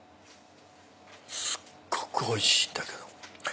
すっごくおいしいんだけど！